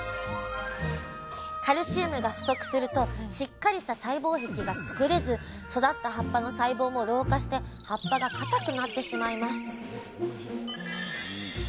カルシウムが不足するとしっかりした細胞壁が作れず育った葉っぱの細胞も老化して葉っぱがかたくなってしまいます